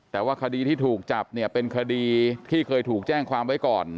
แต่ว่าคดีที่ถูกจับเนี่ยเป็นคดีที่เคยถูกแจ้งความไว้ก่อน